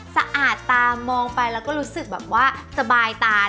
สะอาดตามองไปแล้วก็รู้สึกแบบว่าสบายตา